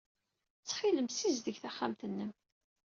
Ttxil-m, ssizdeg taxxamt-nnem.